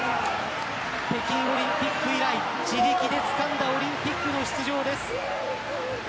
北京オリンピック以来自力でつかんだオリンピックの出場です。